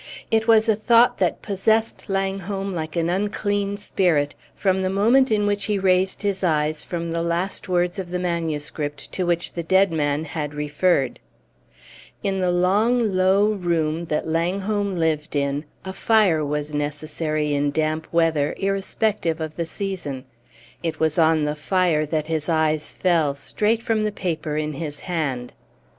It was a thought that possessed Langholm like an unclean spirit from the moment in which he raised his eyes from the last words of the manuscript to which the dead man had referred. In the long, low room that Langholm lived in a fire was necessary in damp weather, irrespective of the season. It was on the fire that his eyes fell, straight from the paper in his hand